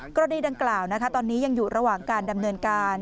กรณีดังกล่าวตอนนี้ยังอยู่ระหว่างการดำเนินการ